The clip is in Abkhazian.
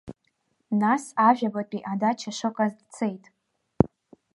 Нас ажәабатәи адача шыҟаз дцеит.